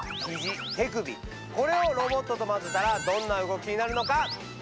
これをロボットとまぜたらどんな動きになるのか？